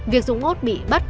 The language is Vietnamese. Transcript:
việc dũng út bị bắt